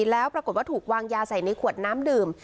แล้วปรากฏว่าถูกวางยาใส่ในขวดน้ำดื่ม